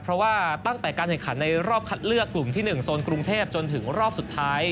เพราะว่าตั้งแต่การแข่งขันในรอบคัดเลือกกลุ่มที่๑โซนกรุงเทพจนถึงรอบสุดท้าย